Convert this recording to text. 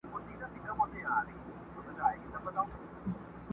لویه خدایه ته خو ګډ کړې دا د کاڼو زیارتونه؛